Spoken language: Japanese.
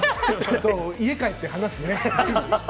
家帰って話すね。